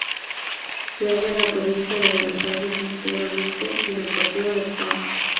Se halla en la provincia de Buenos Aires, íntegramente en el partido de Puan.